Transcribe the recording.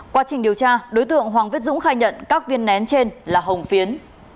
quá trình điều tra đối tượng hoàng viết dũng khai nhận các viên nén trên là hồng phiến